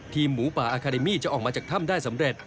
หมูป่าอาคาเดมี่จะออกมาจากถ้ำได้สำเร็จ